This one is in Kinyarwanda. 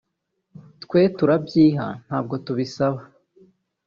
twe turabyiha ntabwo tubisaba”